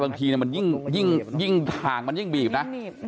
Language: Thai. บางทีทางมันยิ่งบีบนะ